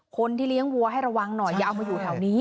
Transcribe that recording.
คนที่เลี้ยงวัวให้ระวังหน่อยอย่าเอามาอยู่แถวนี้